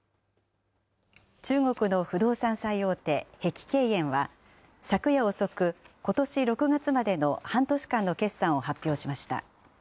中国の不動産最大手、碧桂園は昨夜遅く、ことし６月までの半年間の決算を発表しました。